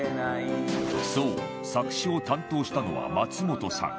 そう作詞を担当したのは松本さん